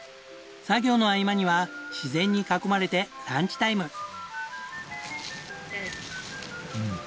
作業の合間には自然に囲まれてランチタイム。